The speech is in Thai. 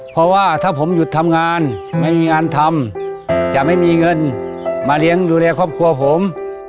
เพราะว่าถ้าผมหยุดทำงานไม่มีงานทำจะไม่มีเงินมาเลี้ยงดูแลครอบครัวผม